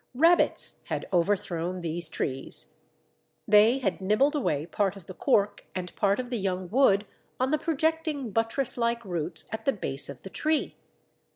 Rabbits had overthrown these trees! Dunlop House, Kilmarnock. They had nibbled away part of the cork and part of the young wood on the projecting buttress like roots at the base of the tree.